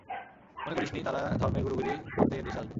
মনে করিসনি, তারা ধর্মের গুরুগিরি করতে এদেশে আসবে।